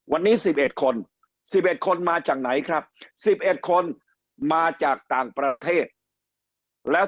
วันนี้๑๑คน๑๑คนมาจากไหนครับ๑๑คนมาจากต่างประเทศแล้ว